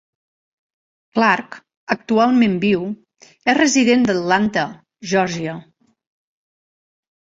Clark actualment viu és resident d'Atlanta, Georgia.